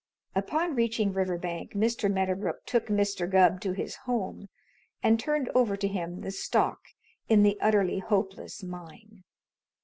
Upon reaching Riverbank Mr. Medderbrook took Mr. Gubb to his home and turned over to him the stock in the Utterly Hopeless Mine.